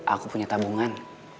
aku punya tabungan